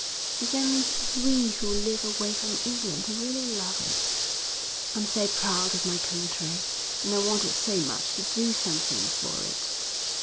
It's only we who live away from England who really love it. I'm so proud of my country, and I wanted so much to do something for it.